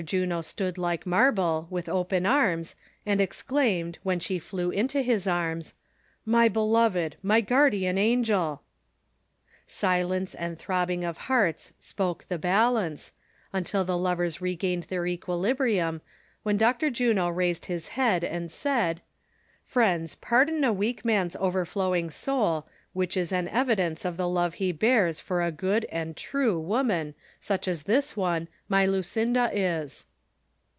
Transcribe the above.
Juno stood like marble, with open arms, and exclaimed, when she llew into his arms :"■ My beloved ! my guardian angel I " Silence and throbbing of hearts spoke the balance, until the lovers regained their equilibrium, when Dr. Juno raised his head and said : "Friends, pardon a weak man's overflowing soul, which is an evidence of the love he bears for a good and true wo man, such as this one, my Lucinda, is